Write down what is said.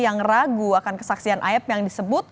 yang ragu akan kesaksian ayat yang disebut